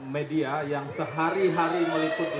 media yang sehari hari meliputi